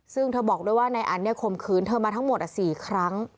ซึ่งเธอบอกด้วยว่านายอันเนี่ยข่มขืนเธอมาทั้งหมด๔ครั้ง